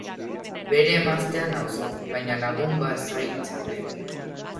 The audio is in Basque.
Bere emaztea nauzu, baina lagun bazaitzaket...